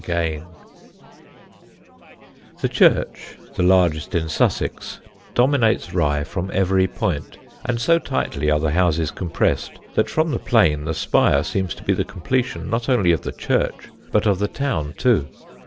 [Sidenote: THE SANGUINARY BUTCHER] The church, the largest in Sussex, dominates Rye from every point, and so tightly are the houses compressed that from the plain the spire seems to be the completion not only of the church but of the town too.